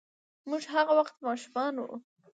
موږ هغه وخت ماشومان وو.